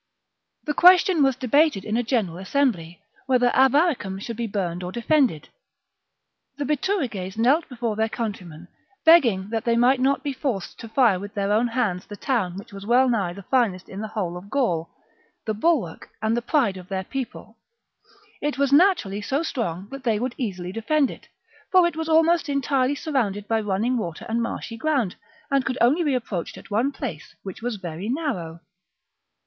The question was debated in a general assembly, whether Avaricum should be burned or defended. The Bituriges knelt before their countrymen, beg ging that they might not be forced to fire with their own hands the town which was wellnigh the finest in the whole of Gaul, — the bulwark and the pride of their people : it was naturally so strong that they would easily defend it ; for it was almost entirely surrounded by running water and marshy ground, and could only be approached at one place, which was very narrow.